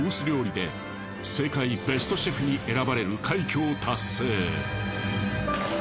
料理で世界ベストシェフに選ばれる快挙を達成。